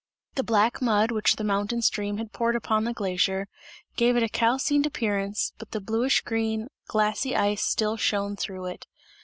The black mud which the mountain stream had poured upon the glacier gave it a calcined appearance, but the bluish green, glassy ice still shone through it.